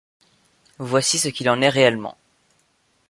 Voici ce qu'il en est réellement.